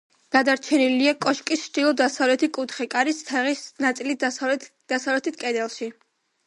გადარჩენილია კოშკის ჩრდილო-დასავლეთი კუთხე კარის თაღის ნაწილით დასავლეთ კედელში.